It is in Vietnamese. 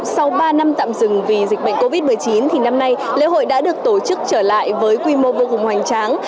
sau ba năm tạm dừng vì dịch bệnh covid một mươi chín thì năm nay lễ hội đã được tổ chức trở lại với quy mô vô cùng hoành tráng